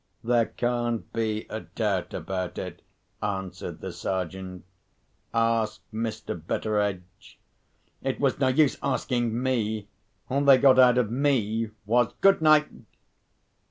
"There can't be a doubt about it," answered the Sergeant. "Ask Mr. Betteredge." It was no use asking me. All they got out of me was, "Good night."